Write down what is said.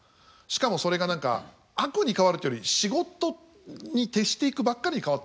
しかもそれが何か悪に変わるっていうより仕事に徹していくばっかりに変わっていくみたいな。